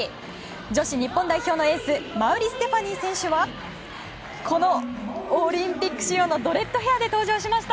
女子日本代表のエース馬瓜ステファニー選手はこのオリンピック仕様のドレッドヘアで登場しました。